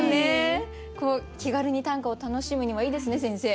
こう気軽に短歌を楽しむにはいいですね先生。